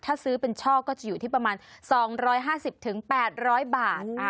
ถ้าซื้อเป็นช่อก็จะอยู่ที่ประมาณ๒๕๐๘๐๐บาท